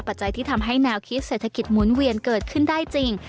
จัยที่ทำให้แนวคิดเศรษฐกิจหมุนเวียนเกิดขึ้นได้จริง